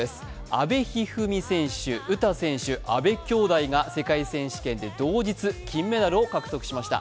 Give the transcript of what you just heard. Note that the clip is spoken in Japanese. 阿部一二三選手、詩選手、阿部きょうだいが世界選手権で同日金メダルを獲得しました。